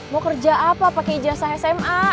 mau kerja apa pakai jasa sma